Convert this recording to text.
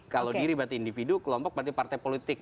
kalau diri berarti individu kelompok berarti partai politik